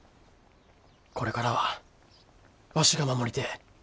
これからはわしが守りてえ。